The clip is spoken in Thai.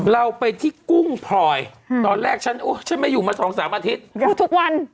เราไปที่กุ้งพลอยตอนแรกฉันไม่อยู่มา๒๓อาทิตย์